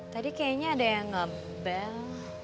tadi kayaknya ada yang ngebel